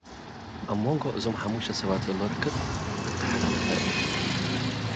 ኣብ መንጎ እዞም ሓሙሽተ ሰባት ዘሎ ርክብ እተሓላለኸ እዩ።